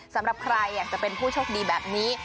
สำหรับใครอยากจะเป็นผู้โชคดีแบบนี้